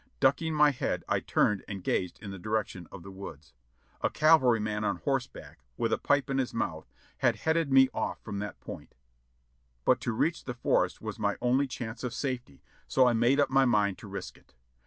Ducking my head I turned and gazed in the direction of the woods. A cavalryman on horseback, with a pipe in his mouth, had headed me ofif from that point, but to reach the forest was my only chance of safety, so I made up my mind to risk it.